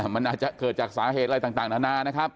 มันอาจจะเกิดจากสาเหตุอะไรต่างนานานะครับ